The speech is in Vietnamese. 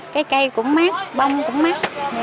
cái cây cũng mát bông cũng mát